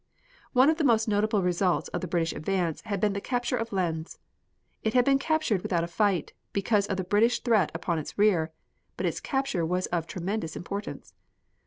One of the most noticeable results of the British advance had been the capture of Lens. It had been captured without a fight, because of the British threat upon its rear, but its capture was of tremendous importance.